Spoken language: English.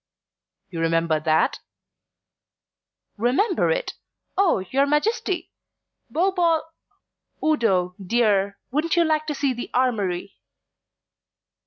"You remember that?" "Remember it? Oh, your Majesty! '_Bo boll _' Udo, dear, wouldn't you like to see the armoury?"